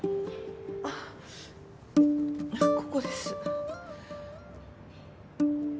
あっここです。